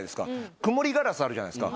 曇りガラスあるじゃないですか。